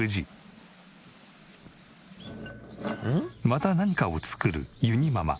また何かを作るゆにママ。